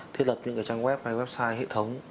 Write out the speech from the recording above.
thiết lập những trang web hay website hệ thống